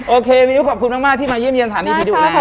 โอเควินูก็ขอบคุณมากที่มาเยี่ยมเยี่ยมถันอีพิดีโอนะ